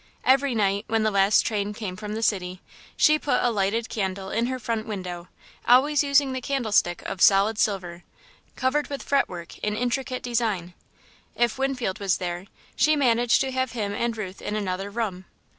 Every night, when the last train came from the city, she put a lighted candle in her front window, using always the candlestick of solid silver, covered with fretwork in intricate design. If Winfield was there, she managed to have him and Ruth in another room.